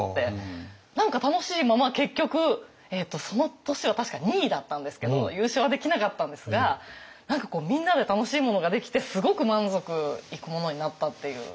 何か楽しいまま結局その年は確か２位だったんですけど優勝はできなかったんですが何かみんなで楽しいものができてすごく満足いくものになったっていうのがありました。